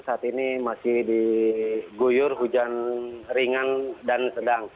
saat ini masih diguyur hujan ringan dan sedang